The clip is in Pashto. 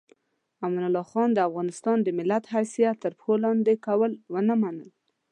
امان الله خان د افغانستان د ملت حیثیت تر پښو لاندې کول ونه منل.